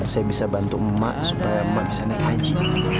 saya bisa bantu emak supaya emak bisa naik haji